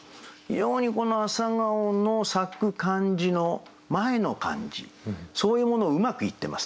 非常にこの朝顔の咲く感じの前の感じそういうものをうまく言ってますね。